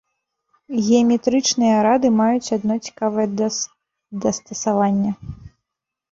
Геаметрычныя рады маюць адно цікавае дастасаванне.